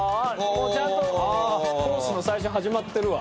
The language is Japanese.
もうちゃんとコースの最初始まってるわ。